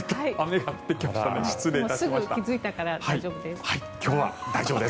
すぐ気付いたから大丈夫です。